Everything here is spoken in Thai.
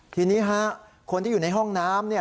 ทีนี้คนที่อยู่ในห้องน้ำ